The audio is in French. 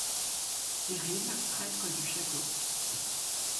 Kiryl, prêtre du château.